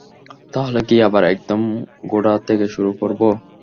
তাহলে কি আবার একদম গোড়া থেকে শুরু করবো?